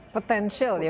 potensial ya bisa